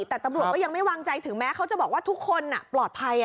แต่ตำรวจก็ยังไม่วางใจถึงแม้เขาจะบอกว่าทุกคนปลอดภัย